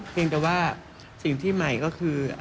แต่ว่าสิ่งที่ใหม่ก็คือ